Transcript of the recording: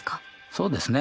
そうですね。